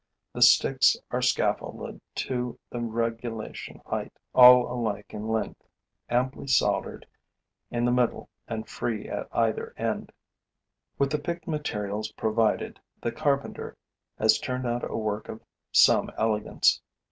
The sticks are scaffolded to the regulation height, all alike in length, amply soldered in the middle and free at either end. With the picked materials provided, the carpenter has turned out a work of some elegance.